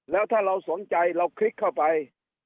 แล้วถ้าเราสนใจเราคลิกเข้าไป